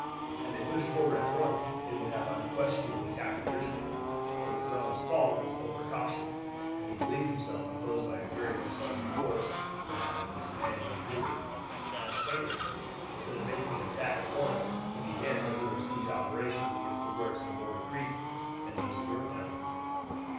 Had they pushed forward at once they would have unquestionably captured Richmond. But McClellan's fault was over caution, and he believed himself opposed by a very much larger force than that under the command of Magruder; consequently, instead of making an attack at once he began regular siege operations against the works on Warwick Creek and those at Yorktown.